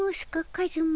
カズマ。